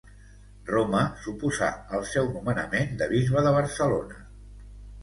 Roma s'oposà al seu nomenament de bisbe de Barcelona.